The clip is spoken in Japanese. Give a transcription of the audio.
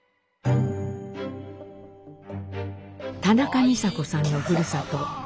田中美佐子さんのふるさと